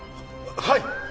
はい！